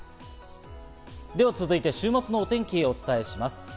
では続いて週末のお天気をお伝えします。